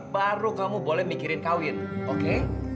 baru kamu boleh mikirin kawin oke